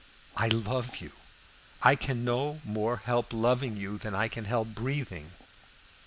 I love you; I can no more help loving you than I can help breathing.